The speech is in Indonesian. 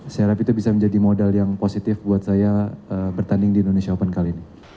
saya harap itu bisa menjadi modal yang positif buat saya bertanding di indonesia open kali ini